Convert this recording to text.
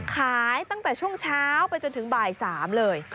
ขายตั้งแต่ช่วงเช้าไปจนถึงบ่าย๓เลย